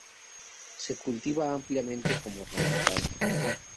Se cultiva ampliamente como ornamental.